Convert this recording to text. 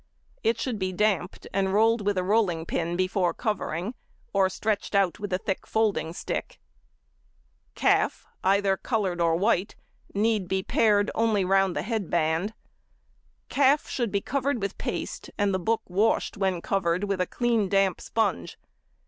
It should be damped, and rolled with a rolling pin before covering, or stretched out with a thick folding stick. Calf, either coloured or white, need be pared only round the head band. Calf should be covered with paste and the book washed when covered with a clean damp sponge.